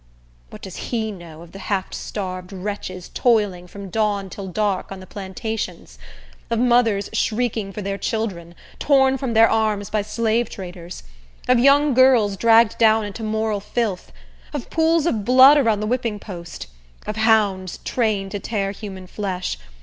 What does he know of the half starved wretches toiling from dawn till dark on the plantations? of mothers shrieking for their children, torn from their arms by slave traders? of young girls dragged down into moral filth? of pools of blood around the whipping post? of hounds trained to tear human flesh?